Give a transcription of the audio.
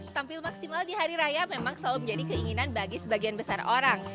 tampil maksimal di hari raya memang selalu menjadi keinginan bagi sebagian besar orang